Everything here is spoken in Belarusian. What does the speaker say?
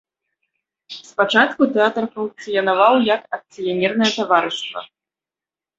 Спачатку тэатр функцыянаваў як акцыянернае таварыства.